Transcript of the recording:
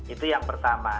itu yang pertama